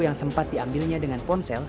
yang sempat diambilnya dengan ponsel